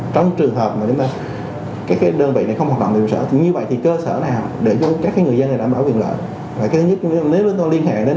trong trường hợp mà chúng ta các đơn vị này không hoạt động tại trụ sở thì như vậy thì cơ sở nào để cho các người dân này đảm bảo quyền lợi